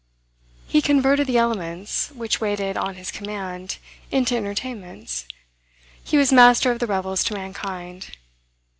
He converted the elements, which waited on his command, into entertainments. He was master of the revels to mankind.